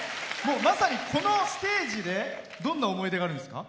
まさにこのステージでどんな思い出があるんですか？